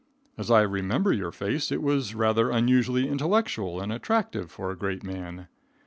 As I remember your face, it was rather unusually intellectual and attractive for a great man.